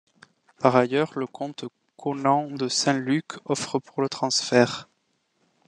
Par ailleurs, le comte Conen de Saint-Luc offre pour le transfert.